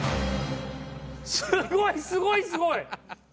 すごいすごいすごい！